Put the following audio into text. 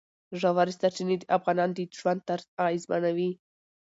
ژورې سرچینې د افغانانو د ژوند طرز اغېزمنوي.